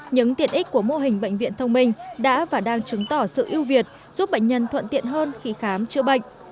những tiện ích của mô hình bệnh viện thông minh đã và đang chứng tỏ sự ưu việt giúp bệnh nhân thuận tiện hơn khi khám chữa bệnh